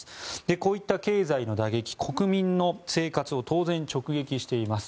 こういった経済の打撃国民の生活を当然、直撃しています。